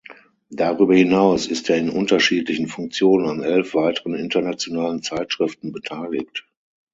Darüber hinaus ist er in unterschiedlichen Funktionen an elf weiteren internationalen Zeitschriften beteiligt.